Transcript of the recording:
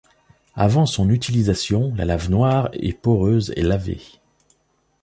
Avant son utilisation, la lave noire et poreuse est lavée.